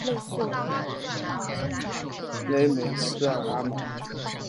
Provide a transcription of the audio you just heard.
勒梅斯尼阿芒。